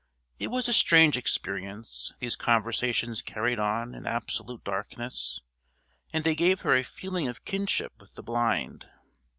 It was a strange experience, these conversations carried on in absolute darkness, and they gave her a feeling of kinship with the blind.